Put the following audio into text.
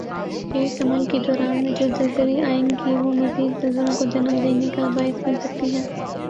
کہ اس عمل کی دوران میں جو زلزلی آئیں گی وہ مزید زلزلوں کو جنم دینی کا باعث بن سکتی ہیں